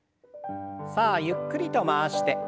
さあゆっくりと回して。